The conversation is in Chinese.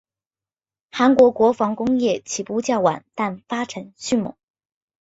韩国国防工业起步较晚但发展迅猛。